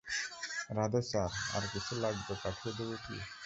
Radhe sir, আর কিছু লাগবে পাঠিয়ে দিবো কি?